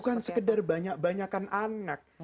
bukan sekedar banyak banyakan anak